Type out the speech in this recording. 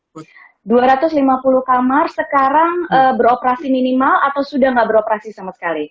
dua ratus lima puluh kamar sekarang beroperasi minimal atau sudah tidak beroperasi sama sekali